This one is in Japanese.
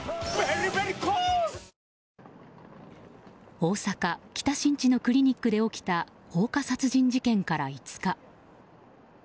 大阪・北新地のクリニックで起きた放火殺人事件から５日。